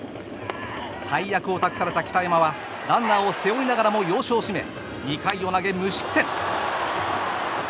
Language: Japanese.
大役を託された北山はランナーを背負いながらも要所を締め、２回を投げ無失点。